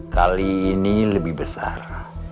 kali ini lebih besar